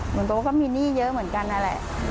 หนูโตก็มีหนี้เยอะเหมือนกันนั่นแหละ